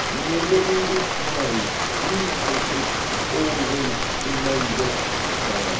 "Never in this life! Him I shall keep always in my watch charm."